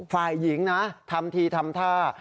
ฝ่ายหญิงนะทำทีทำท่า